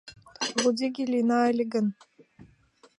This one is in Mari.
Лудиге лийына ыле гын